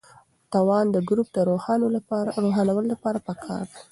توان د ګروپ د روښانولو لپاره پکار دی.